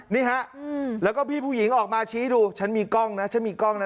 นี่ฮะแล้วก็พี่ผู้หญิงออกมาชี้ดูฉันมีกล้องนะฉันมีกล้องนะ